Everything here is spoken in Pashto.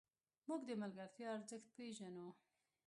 موږ د ملګرتیا ارزښت پېژنو.